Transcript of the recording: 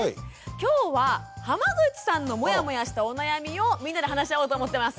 今日は濱口さんのモヤモヤしたお悩みをみんなで話し合おうと思ってます。